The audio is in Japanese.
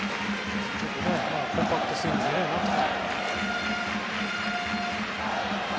コンパクトなスイングで何とか。